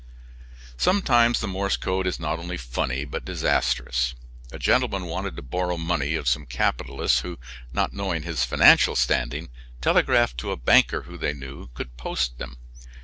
Sometimes the Morse code is not only funny but disastrous. A gentleman wanted to borrow money of some capitalists who, not knowing his financial standing, telegraphed to a banker who they knew could post them.